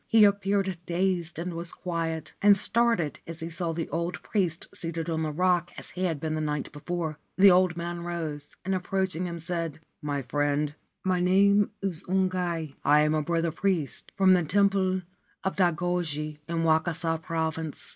He appeared dazed and was quiet, and started as he saw the old priest seated on the rock as he had been the night before. The old man rose, and approaching him said : 220 White Bone Mountain ' My friend, my name is Ungai. I am a brother priest — from the Temple of Daigoji, in Wakasa Province.